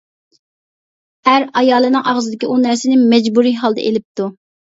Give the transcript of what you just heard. ئەر ئايالىنىڭ ئاغزىدىكى ئۇ نەرسىنى مەجبۇرىي ھالدا ئېلىپتۇ.